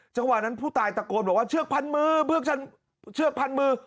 จังหวะนั้นผู้ตายตะโกนบอกว่าเชือกพันมือเชือกพันมือ